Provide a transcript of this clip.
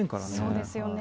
そうですよね。